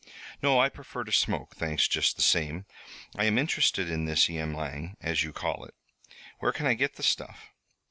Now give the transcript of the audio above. "No, I prefer to smoke, thanks just the same. I am interested in this yamlang, as you call it. Where can I get the stuff?"